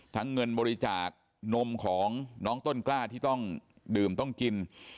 เงินบริจาคนมของน้องต้นกล้าที่ต้องดื่มต้องกิน